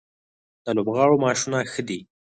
د لوبغاړو معاشونه ښه دي؟